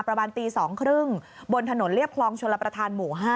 ประมาณตี๒๓๐บนถนนเรียบคลองชลประธานหมู่๕